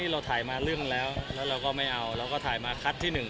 เราถ่ายมาเรื่องแล้วแล้วเราก็ไม่เอาเราก็ถ่ายมาคัดที่หนึ่ง